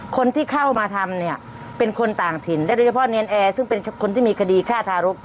คนที่เข้ามาทำเนี่ยเป็นคนต่างถิ่นและโดยเฉพาะเนรนแอร์ซึ่งเป็นคนที่มีคดีฆ่าทารก